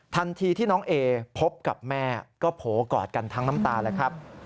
ทันทีที่น้องเอพบกับแม่ก็โผล่กอดกันทั้งน้ำตาแล้วครับ